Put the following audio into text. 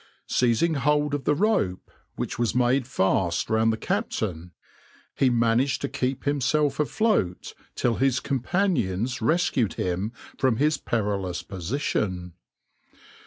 Seizing hold of the rope which was made fast round the captain, he managed to keep himself afloat till his companions rescued him from his perilous position.